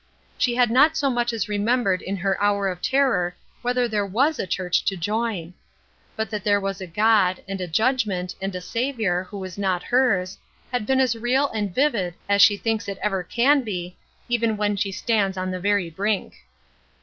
She had not so much as remembered in her hour of terror whether there was a church to join. But that there was a God, and a judgment, and a Savior, who was not hers, had been as real and vivid as she thinks it ever can be, even when she stands on the very brink.